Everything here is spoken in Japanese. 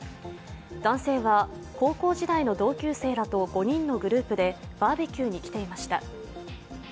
男性は高校時代の同級生らと５人のグループでバーベキューに来ていました。